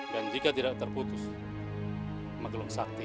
dan jika tidak terputus magelung sakti